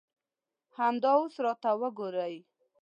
همدا اوس راته وګورئ.